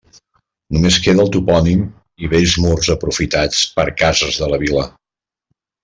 Només queda el topònim i vells murs aprofitats per cases de la vila.